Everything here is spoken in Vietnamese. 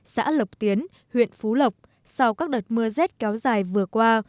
xã lộc tiến huyện phú lộc sau các đợt mưa rét kéo dài vừa qua